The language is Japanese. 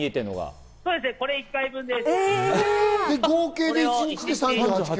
これ、１回分です。